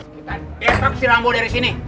kita detok si rambo dari sini